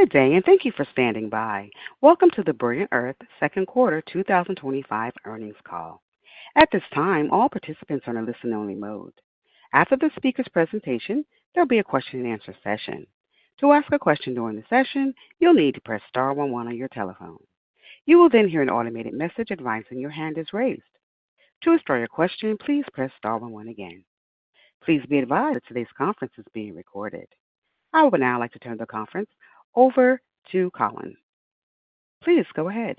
Good day and thank you for standing by. Welcome to the Brilliant Earth Second Quarter 2025 Earnings Call. At this time, all participants are in a listen-only mode. After the speaker's presentation, there will be a question and answer session. To ask a question during the session, you'll need to press star one one on your telephone. You will then hear an automated message advising your hand is raised. To start your question, please press star one one again. Please be advised that today's conference is being recorded. I would now like to turn the conference over to Colin. Please go ahead.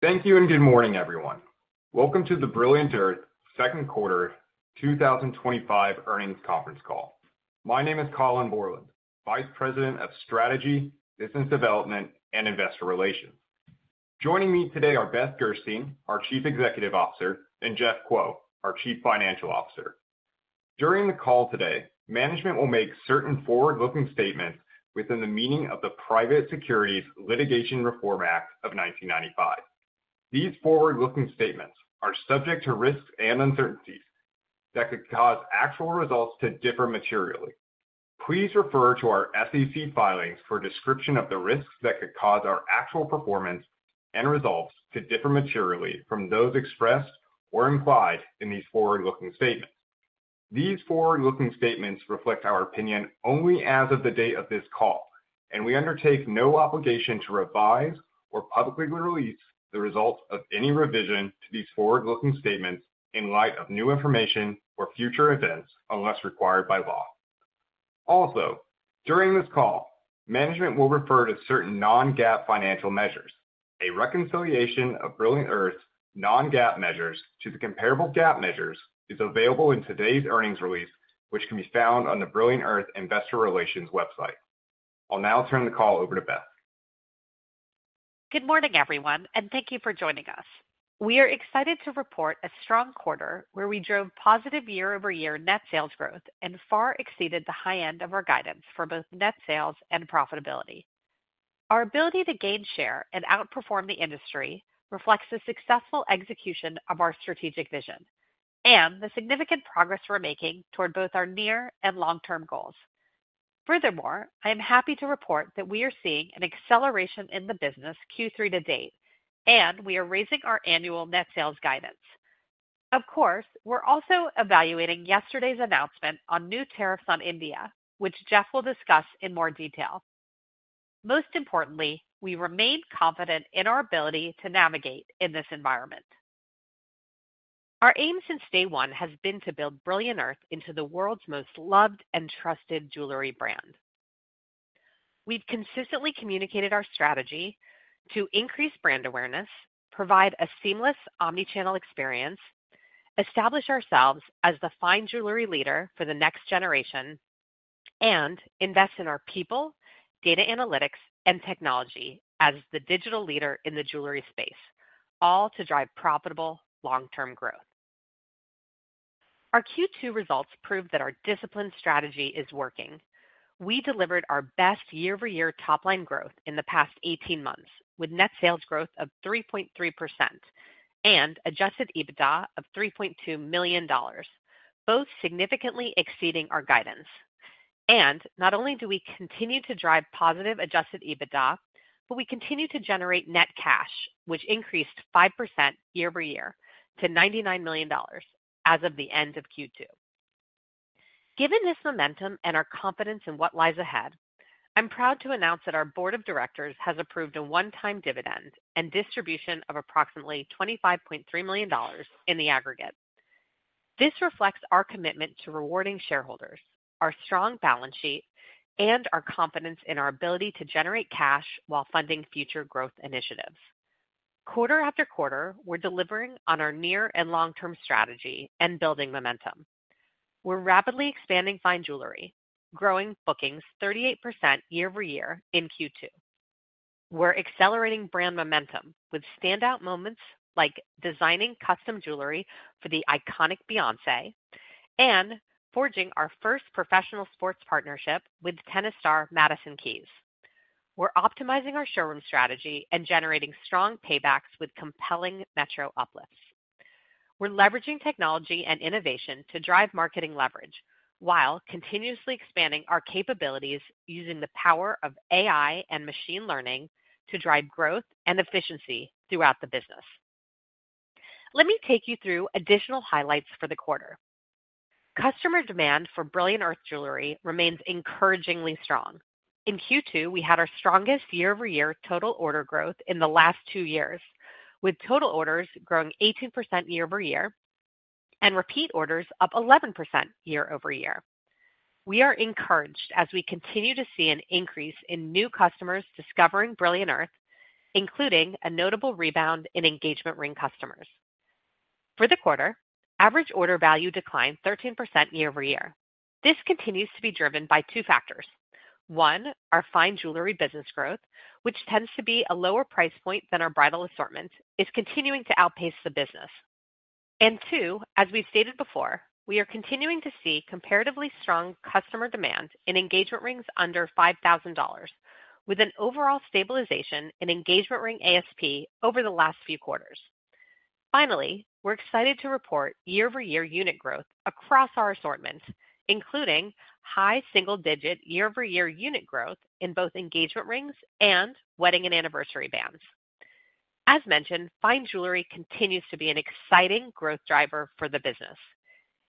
Thank you and good morning, everyone. Welcome to the Brilliant Earth Second Quarter 2025 Earnings Conference Call. My name is Colin Bourland, Vice President of Strategy, Business Development, and Investor Relations. Joining me today are Beth Gerstein, our Chief Executive Officer, and Jeff Kuo, our Chief Financial Officer. During the call today, management will make certain forward-looking statements within the meaning of the Private Securities Litigation Reform Act of 1995. These forward-looking statements are subject to risks and uncertainties that could cause actual results to differ materially. Please refer to our SEC filings for a description of the risks that could cause our actual performance and results to differ materially from those expressed or implied in these forward-looking statements. These forward-looking statements reflect our opinion only as of the date of this call, and we undertake no obligation to revise or publicly release the results of any revision to these forward-looking statements in light of new information or future events unless required by law. Also, during this call, management will refer to certain non-GAAP financial measures. A reconciliation of Brilliant Earth's non-GAAP measures to the comparable GAAP measures is available in today's earnings release, which can be found on the Brilliant Earth Investor Relations website. I'll now turn the call over to Beth. Good morning, everyone, and thank you for joining us. We are excited to report a strong quarter where we drove positive year-over-year net sales growth and far exceeded the high end of our guidance for both net sales and profitability. Our ability to gain share and outperform the industry reflects the successful execution of our strategic vision and the significant progress we're making toward both our near and long-term goals. Furthermore, I am happy to report that we are seeing an acceleration in the business Q3 to date, and we are raising our annual net sales guidance. Of course, we're also evaluating yesterday's announcement on new tariffs on India, which Jeff will discuss in more detail. Most importantly, we remain confident in our ability to navigate in this environment. Our aim since day one has been to build Brilliant Earth into the world's most loved and trusted jewelry brand. We've consistently communicated our strategy to increase brand awareness, provide a seamless omnichannel experience, establish ourselves as the fine jewelry leader for the next generation, and invest in our people, data analytics, and technology as the digital leader in the jewelry space, all to drive profitable long-term growth. Our Q2 results prove that our disciplined strategy is working. We delivered our best year-over-year top-line growth in the past 18 months, with net sales growth of 3.3% and adjusted EBITDA of $3.2 million, both significantly exceeding our guidance. Not only do we continue to drive positive adjusted EBITDA, but we continue to generate net cash, which increased 5% year-over-year to $99 million as of the end of Q2. Given this momentum and our confidence in what lies ahead, I'm proud to announce that our board of directors has approved a one-time dividend and distribution of approximately $25.3 million in the aggregate. This reflects our commitment to rewarding shareholders, our strong balance sheet, and our confidence in our ability to generate cash while funding future growth initiatives. Quarter after quarter, we're delivering on our near and long-term strategy and building momentum. We're rapidly expanding fine jewelry, growing bookings 38% year-over-year in Q2. We're accelerating brand momentum with standout moments like designing custom jewelry for the iconic Beyoncé and forging our first professional sports partnership with tennis star Madison Keys. We're optimizing our showroom strategy and generating strong paybacks with compelling metro uplifts. We're leveraging technology and innovation to drive marketing leverage while continuously expanding our capabilities using the power of AI and machine learning to drive growth and efficiency throughout the business. Let me take you through additional highlights for the quarter. Customer demand for Brilliant Earth jewelry remains encouragingly strong. In Q2, we had our strongest year-over-year total order growth in the last two years, with total orders growing 18% year-over-year and repeat orders up 11% year-over-year. We are encouraged as we continue to see an increase in new customers discovering Brilliant Earth, including a notable rebound in engagement ring customers. For the quarter, average order value declined 13% year-over-year. This continues to be driven by two factors. One, our fine jewelry business growth, which tends to be a lower price point than our bridal assortments, is continuing to outpace the business. Two, as we stated before, we are continuing to see comparatively strong customer demand in engagement rings under $5,000, with an overall stabilization in engagement ring ASP over the last few quarters. Finally, we're excited to report year-over-year unit growth across our assortments, including high single-digit year-over-year unit growth in both engagement rings and wedding and anniversary bands. As mentioned, fine jewelry continues to be an exciting growth driver for the business.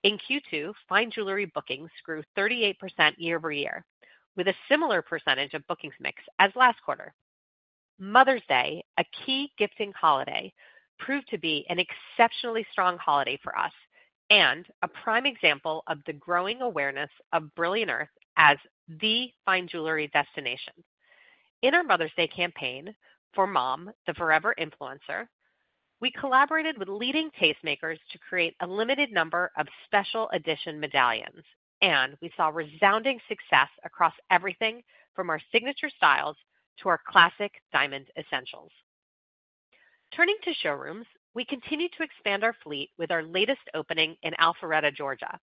In Q2, fine jewelry bookings grew 38% year-over-year, with a similar percentage of bookings mix as last quarter. Mother's Day, a key gifting holiday, proved to be an exceptionally strong holiday for us and a prime example of the growing awareness of Brilliant Earth as the fine jewelry destination. In our Mother's Day campaign For Mom, the Forever Influencer, we collaborated with leading tastemakers to create a limited number of special edition medallions, and we saw resounding success across everything from our signature styles to our classic diamond essentials. Turning to showrooms, we continue to expand our fleet with our latest opening in Alpharetta, Georgia.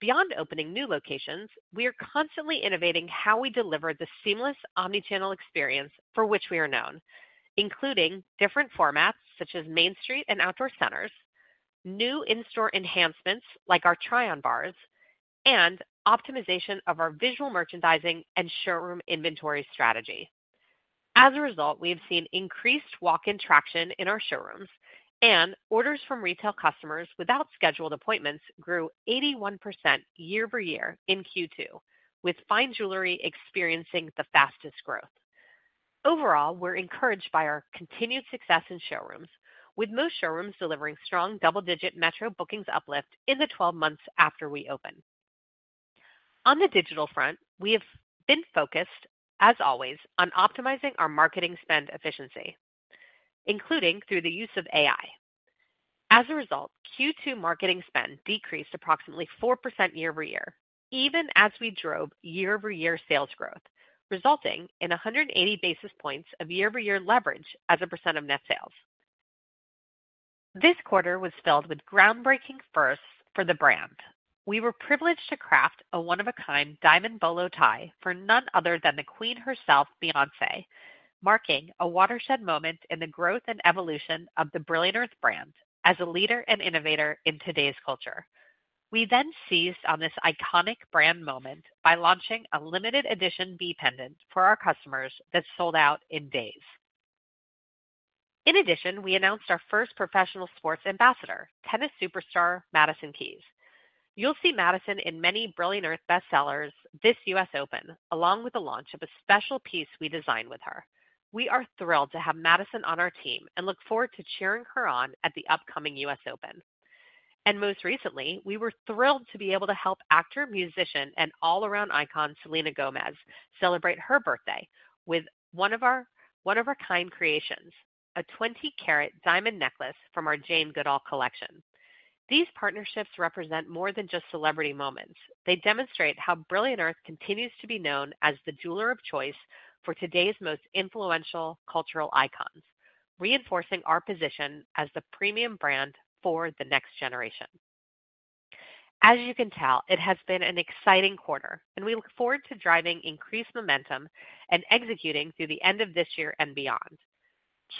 Beyond opening new locations, we are constantly innovating how we deliver the seamless omnichannel experience for which we are known, including different formats such as Main Street and outdoor centers, new in-store enhancements like our try-on bars, and optimization of our visual merchandising and showroom inventory strategy. As a result, we have seen increased walk-in traction in our showrooms, and orders from retail customers without scheduled appointments grew 81% year-over-year in Q2, with fine jewelry experiencing the fastest growth. Overall, we're encouraged by our continued success in showrooms, with most showrooms delivering strong double-digit metro bookings uplift in the 12 months after we open. On the digital front, we have been focused, as always, on optimizing our marketing spend efficiency, including through the use of AI. As a result, Q2 marketing spend decreased approximately 4% year-over-year, even as we drove year-over-year sales growth, resulting in 180 basis points of year-over-year leverage as a percent of net sales. This quarter was filled with groundbreaking firsts for the brand. We were privileged to craft a one-of-a-kind diamond bolo tie for none other than the queen herself, Beyoncé, marking a watershed moment in the growth and evolution of the Brilliant Earth brand as a leader and innovator in today's culture. We then seized on this iconic brand moment by launching a limited edition V pendant for our customers that sold out in days. In addition, we announced our first professional sports ambassador, tennis superstar Madison Keys. You'll see Madison in many Brilliant Earth bestsellers this U.S. Open, along with the launch of a special piece we designed with her. We are thrilled to have Madison on our team and look forward to cheering her on at the upcoming U.S. Open. Most recently, we were thrilled to be able to help actor, musician, and all-around icon Selena Gomez celebrate her birthday with one of our one-of-a-kind creations, a 20-carat diamond necklace from our Jane Goodall collection. These partnerships represent more than just celebrity moments. They demonstrate how Brilliant Earth continues to be known as the jeweler of choice for today's most influential cultural icons, reinforcing our position as the premium brand for the next generation. As you can tell, it has been an exciting quarter, and we look forward to driving increased momentum and executing through the end of this year and beyond.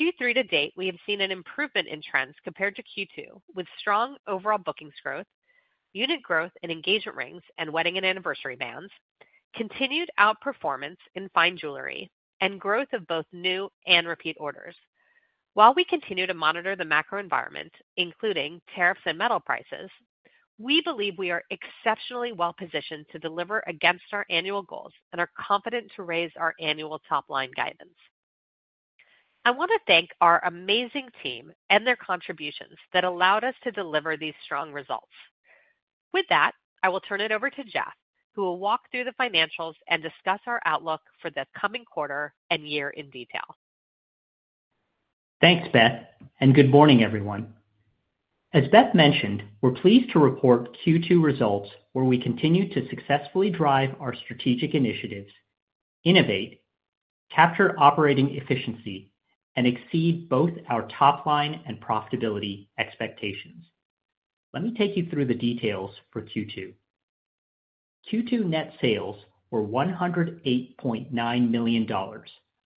Q3 to date, we have seen an improvement in trends compared to Q2, with strong overall bookings growth, unit growth in engagement rings and wedding and anniversary bands, continued outperformance in fine jewelry, and growth of both new and repeat orders. While we continue to monitor the macro environment, including tariffs and metal prices, we believe we are exceptionally well-positioned to deliver against our annual goals and are confident to raise our annual top-line guidance. I want to thank our amazing team and their contributions that allowed us to deliver these strong results. With that, I will turn it over to Jeff, who will walk through the financials and discuss our outlook for the coming quarter and year in detail. Thanks, Beth, and good morning, everyone. As Beth mentioned, we're pleased to report Q2 results where we continue to successfully drive our strategic initiatives, innovate, capture operating efficiency, and exceed both our top line and profitability expectations. Let me take you through the details for Q2. Q2 net sales were $108.9 million,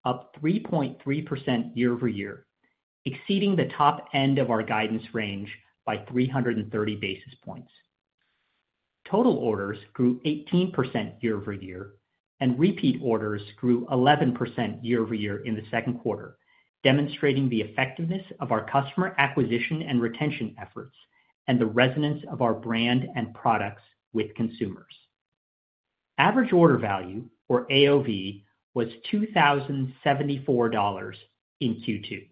up 3.3% year-over-year, exceeding the top end of our guidance range by 330 basis points. Total orders grew 18% year-over-year and repeat orders grew 11% year-over-year in the second quarter, demonstrating the effectiveness of our customer acquisition and retention efforts and the resonance of our brand and products with consumers. Average order value, or AOV, was $2,074 in Q2.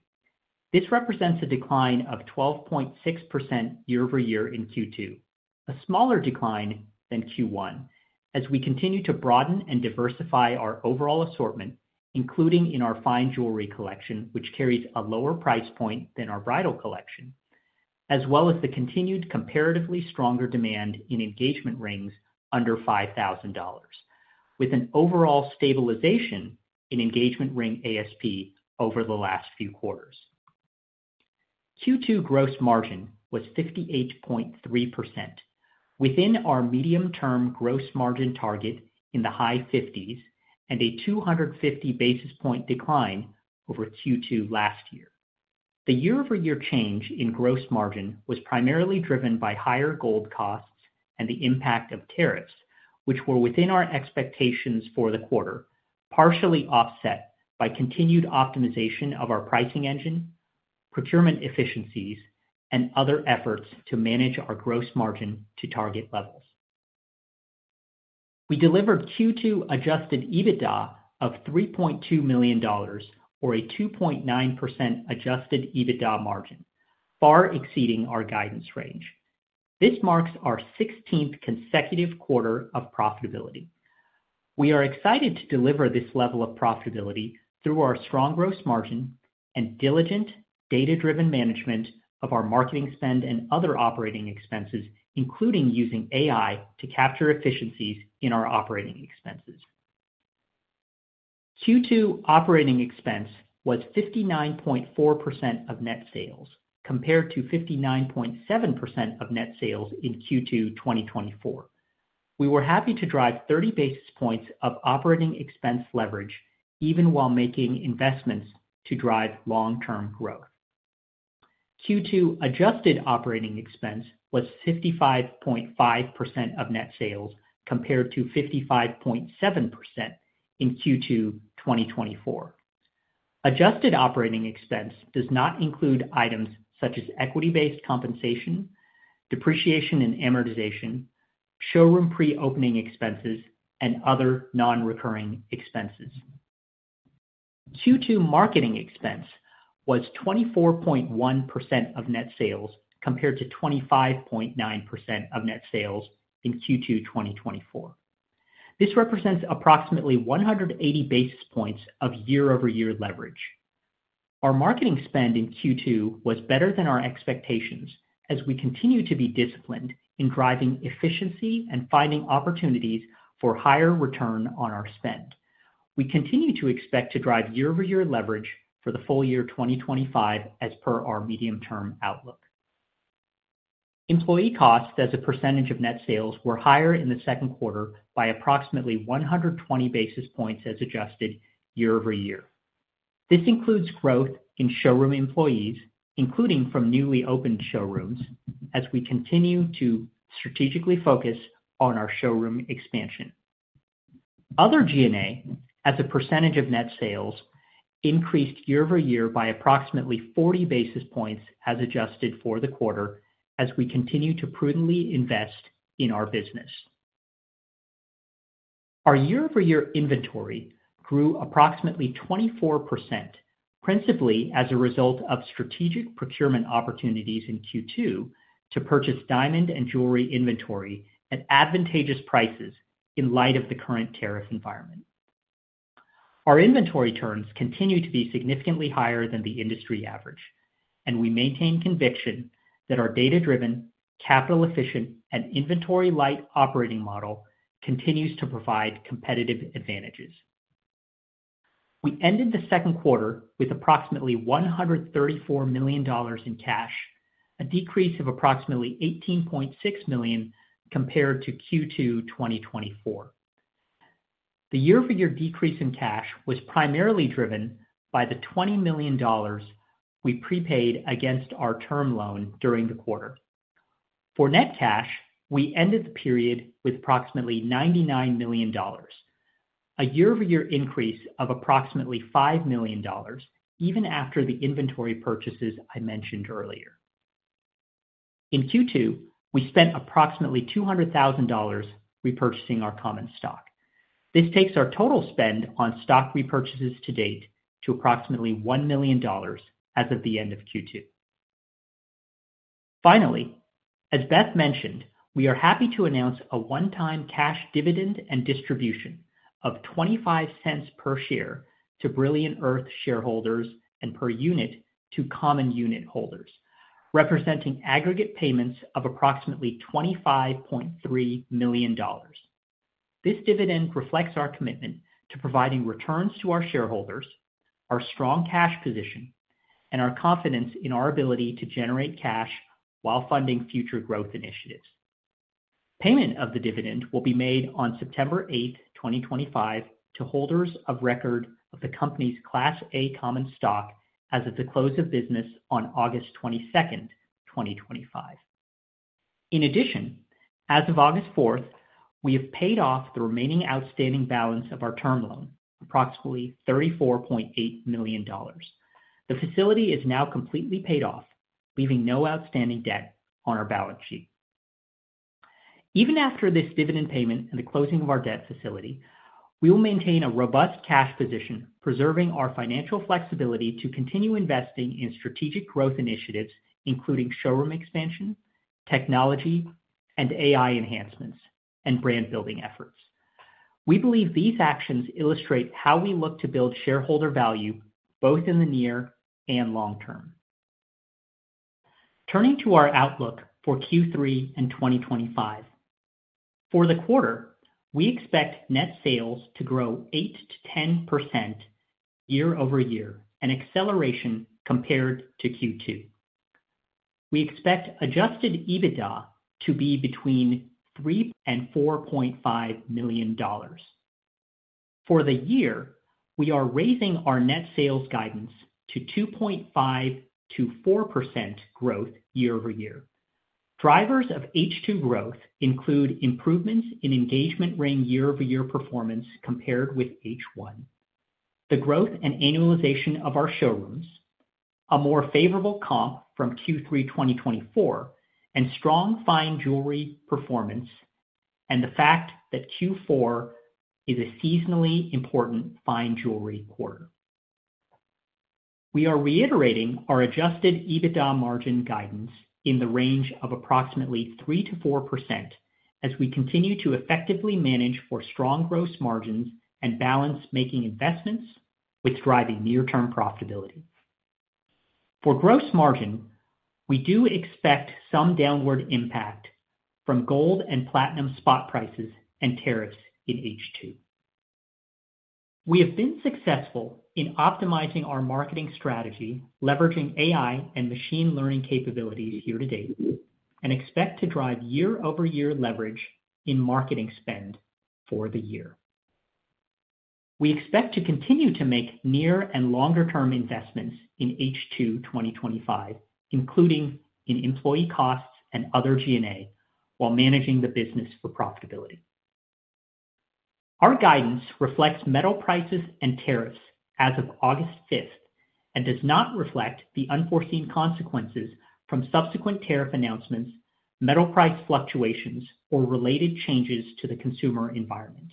This represents a decline of 12.6% year-over-year in Q2, a smaller decline than Q1, as we continue to broaden and diversify our overall assortment, including in our fine jewelry collection, which carries a lower price point than our bridal collection, as well as the continued comparatively stronger demand in engagement rings under $5,000, with an overall stabilization in engagement ring ASP over the last few quarters. Q2 gross margin was 58.3%, within our medium-term gross margin target in the high 50s and a 250 basis point decline over Q2 last year. The year-over-year change in gross margin was primarily driven by higher gold costs and the impact of tariffs, which were within our expectations for the quarter, partially offset by continued optimization of our pricing engine, procurement efficiencies, and other efforts to manage our gross margin to target levels. We delivered Q2 adjusted EBITDA of $3.2 million, or a 2.9% adjusted EBITDA margin, far exceeding our guidance range. This marks our 16th consecutive quarter of profitability. We are excited to deliver this level of profitability through our strong gross margin and diligent, data-driven management of our marketing spend and other operating expenses, including using AI to capture efficiencies in our operating expenses. Q2 operating expense was 59.4% of net sales compared to 59.7% of net sales in Q2 2024. We were happy to drive 30 basis points of operating expense leverage, even while making investments to drive long-term growth. Q2 adjusted operating expense was 55.5% of net sales compared to 55.7% in Q2 2024. Adjusted operating expense does not include items such as equity-based compensation, depreciation and amortization, showroom pre-opening expenses, and other non-recurring expenses. Q2 marketing expense was 24.1% of net sales compared to 25.9% of net sales in Q2 2024. This represents approximately 180 basis points of year-over-year leverage. Our marketing spend in Q2 was better than our expectations as we continue to be disciplined in driving efficiency and finding opportunities for higher return on our spend. We continue to expect to drive year-over-year leverage for the full year 2025 as per our medium-term outlook. Employee costs, as a percentage of net sales, were higher in the second quarter by approximately 120 basis points as adjusted year-over-year. This includes growth in showroom employees, including from newly opened showrooms, as we continue to strategically focus on our showroom expansion. Other G&A, as a percentage of net sales, increased year-over-year by approximately 40 basis points as adjusted for the quarter as we continue to prudently invest in our business. Our year-over-year inventory grew approximately 24%, principally as a result of strategic procurement opportunities in Q2 to purchase diamond and jewelry inventory at advantageous prices in light of the current tariff environment. Our inventory turns continue to be significantly higher than the industry average, and we maintain conviction that our data-driven, capital-efficient, and inventory-light operating model continues to provide competitive advantages. We ended the second quarter with approximately $134 million in cash, a decrease of approximately $18.6 million compared to Q2 2024. The year-over-year decrease in cash was primarily driven by the $20 million we prepaid against our term loan during the quarter. For net cash, we ended the period with approximately $99 million, a year-over-year increase of approximately $5 million, even after the inventory purchases I mentioned earlier. In Q2, we spent approximately $200,000 repurchasing our common stock. This takes our total spend on stock repurchases to date to approximately $1 million as of the end of Q2. Finally, as Beth mentioned, we are happy to announce a one-time cash dividend and distribution of $0.25 per share to Brilliant Earth shareholders and per unit to common unit holders, representing aggregate payments of approximately $25.3 million. This dividend reflects our commitment to providing returns to our shareholders, our strong cash position, and our confidence in our ability to generate cash while funding future growth initiatives. Payment of the dividend will be made on September 8, 2025, to holders of record of the company's Class A common stock as of the close of business on August 22nd, 2025. In addition, as of August 4, we have paid off the remaining outstanding balance of our term loan, approximately $34.8 million. The facility is now completely paid off, leaving no outstanding debt on our balance sheet. Even after this dividend payment and the closing of our debt facility, we will maintain a robust cash position, preserving our financial flexibility to continue investing in strategic growth initiatives, including showroom expansion, technology and AI enhancements, and brand building efforts. We believe these actions illustrate how we look to build shareholder value both in the near and long term. Turning to our outlook for Q3 and 2025. For the quarter, we expect net sales to grow 8%-10% year-over-year and acceleration compared to Q2. We expect adjusted EBITDA to be between $3.5 million and $4.5 million. For the year, we are raising our net sales guidance to 2.5% to 4% growth year-over-year. Drivers of H2 growth include improvements in engagement ring year-over-year performance compared with H1, the growth and annualization of our showrooms, a more favorable comp from Q3 2024, strong fine jewelry performance, and the fact that Q4 is a seasonally important fine jewelry quarter. We are reiterating our adjusted EBITDA margin guidance in the range of approximately 3%-4% as we continue to effectively manage for strong gross margins and balance making investments with driving near-term profitability. For gross margin, we do expect some downward impact from gold and platinum spot prices and tariffs in H2. We have been successful in optimizing our marketing strategy, leveraging AI and machine learning capabilities year to date, and expect to drive year-over-year leverage in marketing spend for the year. We expect to continue to make near and longer-term investments in H2 2025, including in employee costs and other G&A, while managing the business for profitability. Our guidance reflects metal prices and tariffs as of August 5th and does not reflect the unforeseen consequences from subsequent tariff announcements, metal price fluctuations, or related changes to the consumer environment.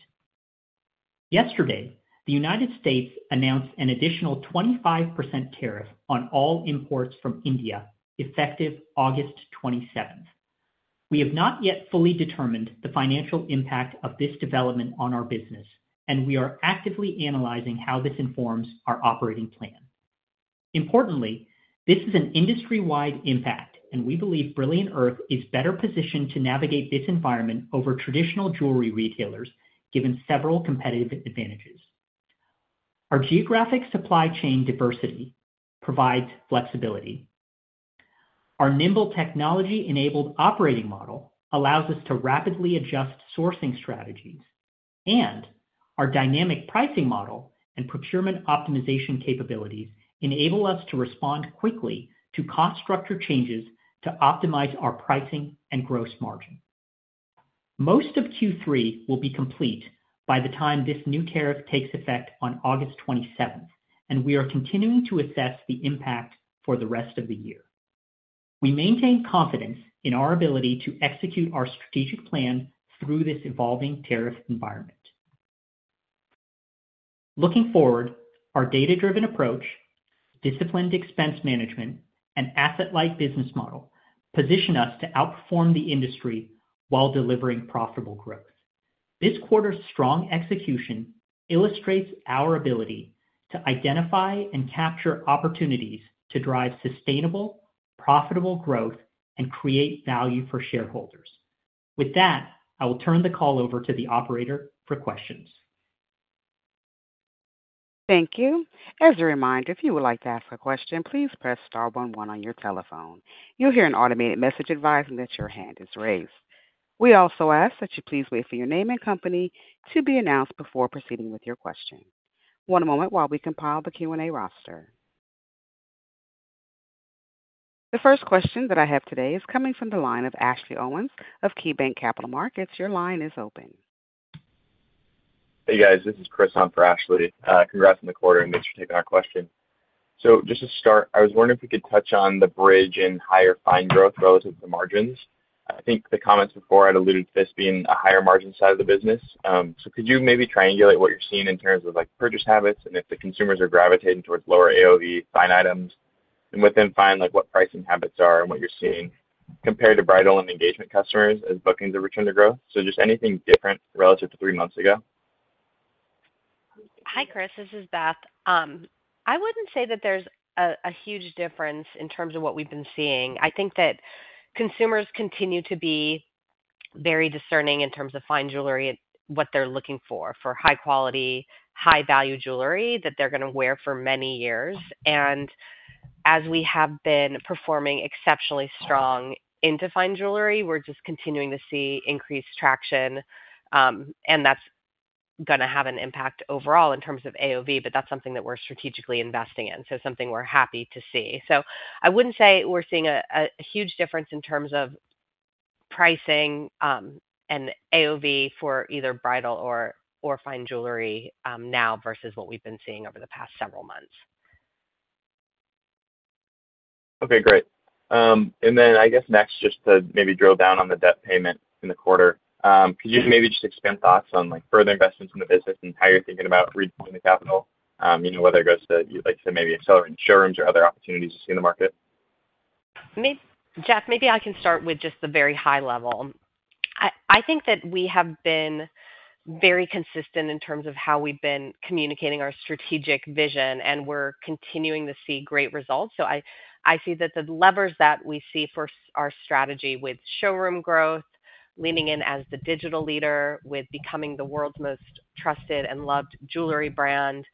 Yesterday, the U.S. announced an additional 25% tariff on all imports from India effective August 27th. We have not yet fully determined the financial impact of this development on our business, and we are actively analyzing how this informs our operating plan. Importantly, this is an industry-wide impact, and we believe Brilliant Earth is better positioned to navigate this environment over traditional jewelry retailers, given several competitive advantages. Our geographic supply chain diversity provides flexibility. Our nimble technology-enabled operating model allows us to rapidly adjust sourcing strategies, and our dynamic pricing model and procurement optimization capabilities enable us to respond quickly to cost structure changes to optimize our pricing and gross margin. Most of Q3 will be complete by the time this new tariff takes effect on August 27, and we are continuing to assess the impact for the rest of the year. We maintain confidence in our ability to execute our strategic plan through this evolving tariff environment. Looking forward, our data-driven approach, disciplined expense management, and asset-light operating model position us to outperform the industry while delivering profitable growth. This quarter's strong execution illustrates our ability to identify and capture opportunities to drive sustainable, profitable growth and create value for shareholders. With that, I will turn the call over to the operator for questions. Thank you. As a reminder, if you would like to ask a question, please press star one one on your telephone. You'll hear an automated message advising that your hand is raised. We also ask that you please wait for your name and company to be announced before proceeding with your question. One moment while we compile the Q&A roster. The first question that I have today is coming from the line of Ashley Owens of KeyBanc Capital Markets. Your line is open. Hey, guys. This is Chris Roehm for Ashley. Congrats on the quarter and thanks for taking our question. I was wondering if you could touch on the bridge in higher fine growth relative to the margins. I think the comments before had alluded to this being a higher margin side of the business. Could you maybe triangulate what you're seeing in terms of purchase habits and if the consumers are gravitating towards lower AOV fine items? Within fine, what pricing habits are and what you're seeing compared to bridal and engagement customers as bookings have returned to growth? Anything different relative to three months ago? Hi, Chris. This is Beth. I wouldn't say that there's a huge difference in terms of what we've been seeing. I think that consumers continue to be very discerning in terms of fine jewelry and what they're looking for, for high quality, high value jewelry that they're going to wear for many years. As we have been performing exceptionally strong into fine jewelry, we're just continuing to see increased traction. That's going to have an impact overall in terms of AOV, but that's something that we're strategically investing in, something we're happy to see. I wouldn't say we're seeing a huge difference in terms of pricing and AOV for either bridal or fine jewelry now versus what we've been seeing over the past several months. Okay, great. I guess next, just to maybe drill down on the debt payment in the quarter, could you maybe just expand thoughts on further investments in the business and how you're thinking about redeploying the capital, whether it goes to, like you said, maybe accelerating showrooms or other opportunities you see in the market? Jeff, maybe I can start with just the very high level. I think that we have been very consistent in terms of how we've been communicating our strategic vision, and we're continuing to see great results. I see that the levers that we see for our strategy with showroom growth, leaning in as the digital leader, with becoming the world's most trusted and loved jewelry brand,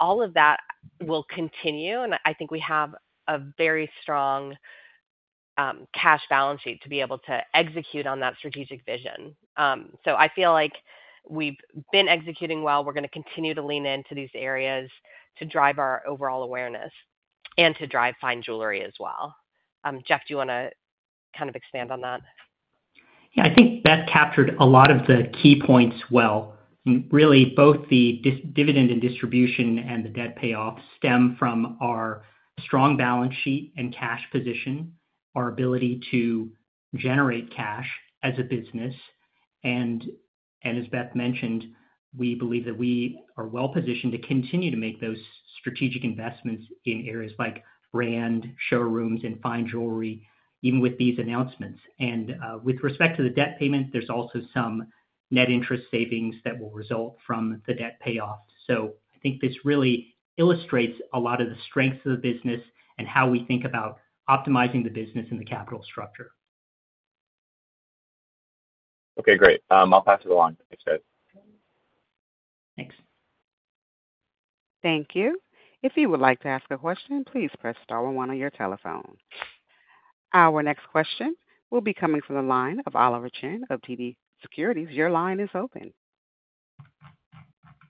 all of that will continue. I think we have a very strong cash balance sheet to be able to execute on that strategic vision. I feel like we've been executing well. We're going to continue to lean into these areas to drive our overall awareness and to drive fine jewelry as well. Jeff, do you want to kind of expand on that? Yeah, I think Beth captured a lot of the key points well. Really, both the dividend and distribution and the debt payoff stem from our strong balance sheet and cash position, our ability to generate cash as a business. As Beth mentioned, we believe that we are well positioned to continue to make those strategic investments in areas like brand, showrooms, and fine jewelry, even with these announcements. With respect to the debt payment, there's also some net interest savings that will result from the debt payoff. I think this really illustrates a lot of the strengths of the business and how we think about optimizing the business and the capital structure. Okay, great. I'll pass it along. Thanks, guys. Thanks. Thank you. If you would like to ask a question, please press star one on your telephone. Our next question will be coming from the line of Oliver Chen of TD Cowen. Your line is open.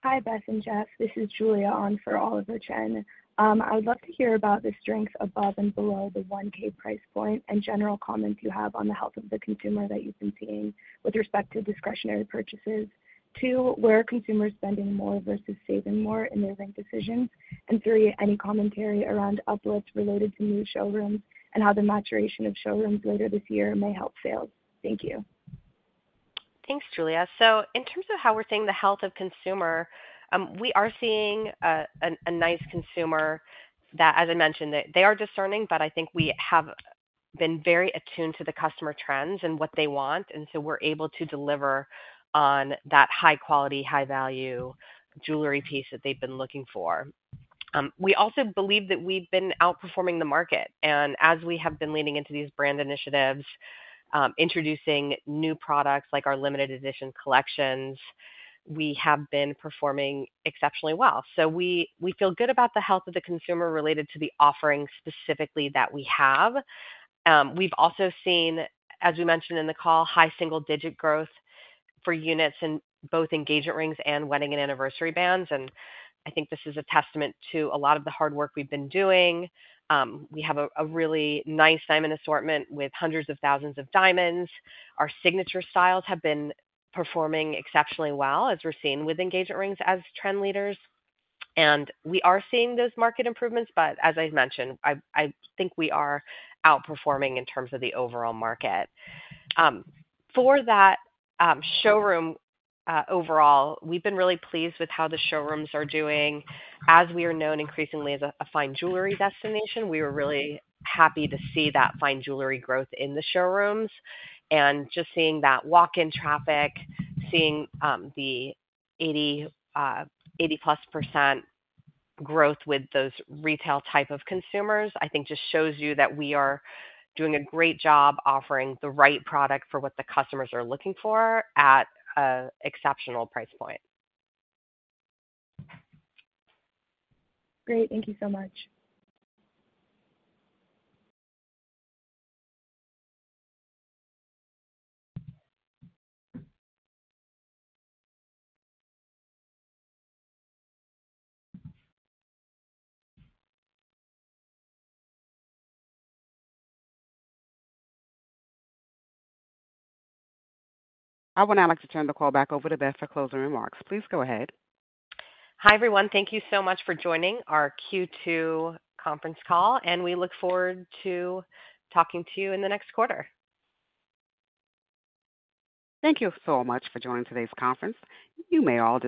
Hi, Beth and Jeff. This is Julia on for Oliver Chen. I would love to hear about the strengths above and below the $1,000 price point and general comments you have on the health of the consumer that you've been seeing with respect to discretionary purchases. Two, where are consumers spending more versus saving more in their bank decisions? Three, any commentary around uplift related to new showrooms and how the maturation of showrooms later this year may help sales? Thank you. Thanks, Julia. In terms of how we're seeing the health of consumer, we are seeing a nice consumer that, as I mentioned, they are discerning, but I think we have been very attuned to the customer trends and what they want. We're able to deliver on that high quality, high value jewelry piece that they've been looking for. We also believe that we've been outperforming the market. As we have been leaning into these brand initiatives, introducing new products like our limited edition collections, we have been performing exceptionally well. We feel good about the health of the consumer related to the offering specifically that we have. We've also seen, as we mentioned in the call, high single-digit growth for units in both engagement rings and wedding and anniversary bands. I think this is a testament to a lot of the hard work we've been doing. We have a really nice diamond assortment with hundreds of thousands of diamonds. Our signature styles have been performing exceptionally well, as we're seeing with engagement rings as trend leaders. We are seeing those market improvements. I think we are outperforming in terms of the overall market. For that showroom overall, we've been really pleased with how the showrooms are doing. As we are known increasingly as a fine jewelry destination, we were really happy to see that fine jewelry growth in the showrooms. Just seeing that walk-in traffic, seeing the 80%+ growth with those retail type of consumers, I think just shows you that we are doing a great job offering the right product for what the customers are looking for at an exceptional price point. Great, thank you so much. I would now like to turn the call back over to Beth for closing remarks. Please go ahead. Hi, everyone. Thank you so much for joining our Q2 conference call, and we look forward to talking to you in the next quarter. Thank you so much for joining today's conference. You may all do.